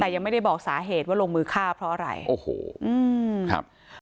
แต่ยังไม่ได้บอกสาเหตุว่าลงมือฆ่าเพราะอะไรโอ้โหอืมครับ